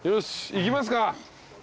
行きますか。